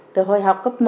từ hồi học cấp một